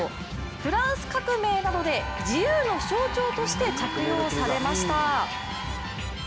フランス革命などで自由の象徴として着用されました。